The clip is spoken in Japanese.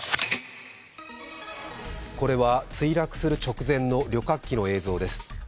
これは墜落する直前の旅客機の映像です。